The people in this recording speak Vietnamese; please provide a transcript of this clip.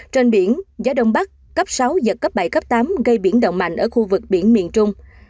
trên biển gió đông bắc cấp sáu giật cấp bảy cấp tám gây biển động mạnh ở khu vực biển miền trung